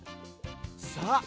さあ